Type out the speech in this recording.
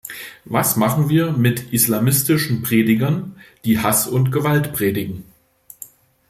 Was machen wir mit islamistischen Predigern, die Hass und Gewalt predigen?